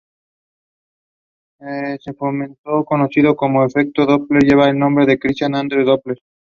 It is named for the Japanese painter and printmaker Utagawa Kuniyoshi.